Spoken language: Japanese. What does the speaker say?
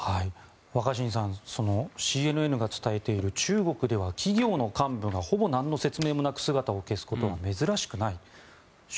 若新さんＣＮＮが伝えている中国では企業の幹部がほぼなんの説明もなく姿を消すことは珍しくない。